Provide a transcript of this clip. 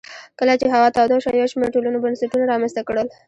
کله چې هوا توده شوه یو شمېر ټولنو بنسټونه رامنځته کړل